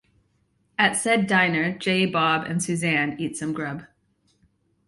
At said diner, Jay, Bob, and Suzanne eat some grub.